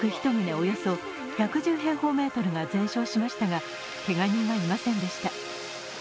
およそ１１０平方メートルが全焼しましたが、けが人はいませんでした。